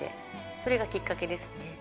それがきっかけですね。